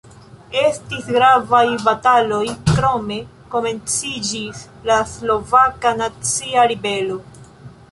Estis gravaj bataloj, krome komenciĝis la Slovaka Nacia Ribelo.